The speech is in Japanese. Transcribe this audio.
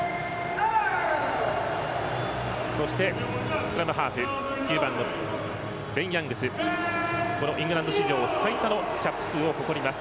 スクラムハーフのベン・ヤングスイングランド史上最多のキャップ数を誇ります。